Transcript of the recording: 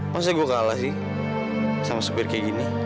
maksudnya gue kalah sih sama supir kayak gini